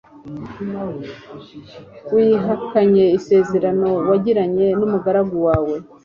wihakanye isezerano wagiranye n'umugaragu wawe